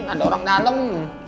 ada orang dalem